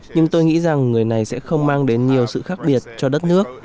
nhưng tôi nghĩ rằng người này sẽ không mang đến nhiều sự khác biệt cho đất nước